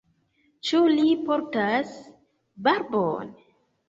Ĉu li portas barbon?